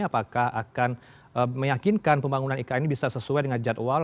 apakah akan meyakinkan pembangunan ikn ini bisa sesuai dengan jadwal